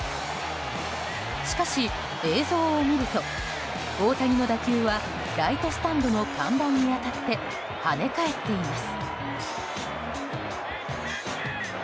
しかし、映像を見ると大谷の打球はライトスタンドの看板に当たって跳ね返っています。